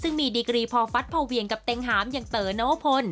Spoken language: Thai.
ซึ่งมีดีกรีพอฟัดพอเวียงกับเต็งหามอย่างเต๋อนวพล